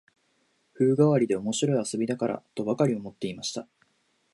風変わりで面白い遊びだから、とばかり思っていました